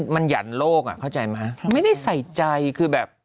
มันหยั่นโลกอ่ะเข้าใจไหมไม่ได้ใส่ใจคือแบบ